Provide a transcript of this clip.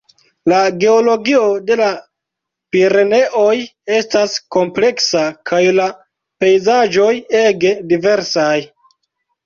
La geologio de la Pireneoj estas kompleksa kaj la pejzaĝoj ege diversaj.